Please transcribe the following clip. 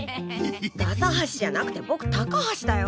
ダサ橋じゃなくてぼく高橋だよ。